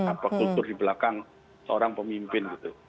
apa kultur di belakang seorang pemimpin gitu